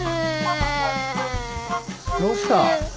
どうした？